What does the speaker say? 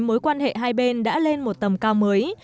mối quan hệ hai bên đã lên một tầm cao mới